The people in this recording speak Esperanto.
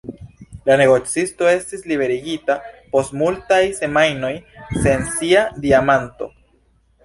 La negocisto estis liberigita post multaj semajnoj, sen sia diamanto.